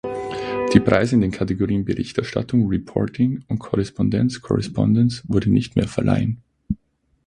Die Preise in den Kategorien Berichterstattung "(Reporting)" und Korrespondenz "(Correspondence)" wurde nicht mehr verleihen.